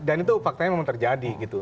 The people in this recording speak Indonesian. dan itu faktanya memang terjadi